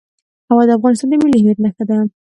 هوا د افغانستان د ملي هویت نښه ده.